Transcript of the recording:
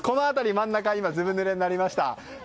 真ん中は、ずぶぬれになりました。